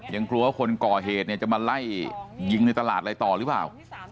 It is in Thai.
ยังกลัวว่าคนก่อเหตุเนี่ยจะมาไล่ยิงในตลาดอะไรต่อหรือเปล่า